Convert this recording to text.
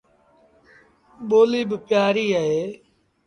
ٻوليٚ با پيٚآريٚ اهي